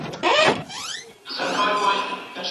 ارغوان هغسي ښکلی په خپل رنګ زړو ته منلی